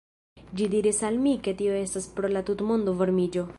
Ĝi diris al mi ke tio estas pro la tutmondo varmiĝo